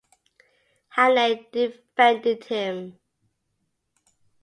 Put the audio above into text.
Hannay defended him.